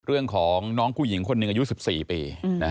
เรื่องของน้องผู้หญิงคนหนึ่งอายุ๑๔ปี